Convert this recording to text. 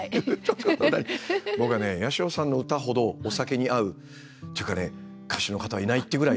僕はね八代さんの歌ほどお酒に合うっていうかね歌手の方はいないっていうぐらい。